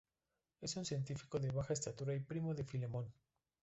Es un científico de baja estatura y primo de Filemón.